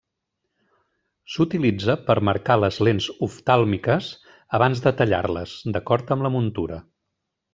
S'utilitza per marcar les lents oftàlmiques abans de tallar-les, d'acord amb la muntura.